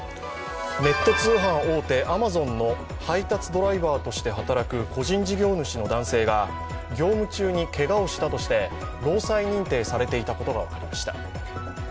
ネット通販大手、アマゾンの配達ドライバーとして働く個人事業主の男性が、業務中にけがをしたとして労災認定されていたことが分かりました。